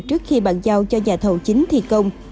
trước khi bàn giao cho nhà thầu chính thi công